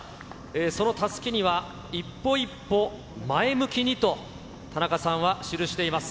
そのたすきには、一歩一歩前向きにと、田中さんは記しています。